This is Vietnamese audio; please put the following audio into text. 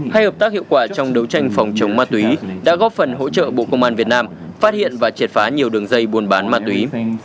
hay hợp tác hiệu quả trong đấu tranh phòng chống ma túy đã góp phần hỗ trợ bộ công an việt nam phát hiện và triệt phá nhiều đường dây buôn bán ma túy